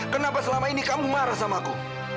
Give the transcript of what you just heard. kenapa selama ini kamu marah sama aku